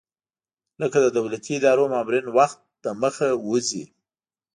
لکه د دولتي ادارو مامورین وخت دمخه وځي.